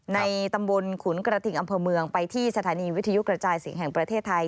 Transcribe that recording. ในตำบลขุนกระทิงอำเภอเมืองไปที่สถานีวิทยุกระจายเสียงแห่งประเทศไทย